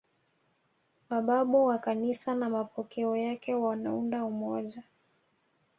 Mababu wa Kanisa na mapokeo yake wanaunda umoja